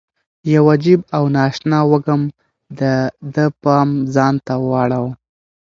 یو عجیب او نا اشنا وږم د ده پام ځان ته واړاوه.